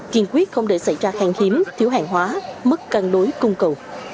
kiên quyết không để xảy ra hàng hiếm thiếu hàng hóa mất căn đối cung cầu